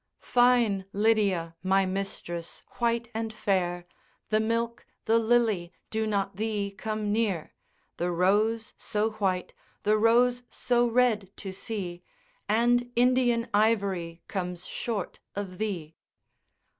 Fine Lydia, my mistress, white and fair, The milk, the lily do not thee come near; The rose so white, the rose so red to see, And Indian ivory comes short of thee.